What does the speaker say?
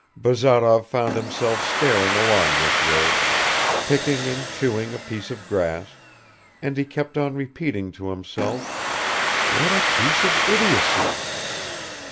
Bazarov found himself staring along this road, picking and chewing a piece of grass, and he kept on repeating to himself: "What a piece of idiocy!"